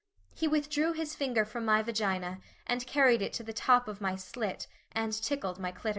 He withdrew his finger from my vagina and carried it to the top of my slit, and tickled my clitoris.